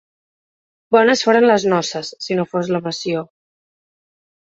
Bones foren les noces, si no fos la messió.